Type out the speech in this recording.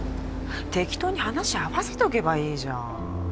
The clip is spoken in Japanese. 適当に話合わせとけばいいじゃん